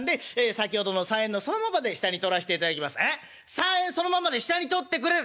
３円そのままで下に取ってくれる？